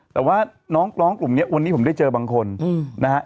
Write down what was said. แต่ว่าน้องร้องกลุ่มนี้วันนี้ผมได้เจอบางคนนะฮะ